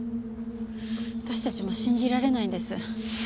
私たちも信じられないんです。